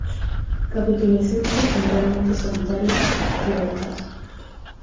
Capitulescencias generalmente solitarias, dioicas.